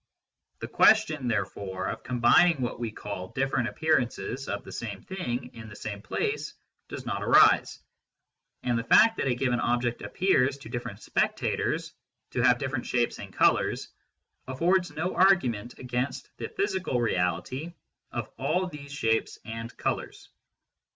The question, therefore, of combining what we call different appearances of the same thing in the same place does not arise, and the fact that a given object appears to different spectators to have different shapes and colours affords no argument against the physical reality of all these shapes and colours.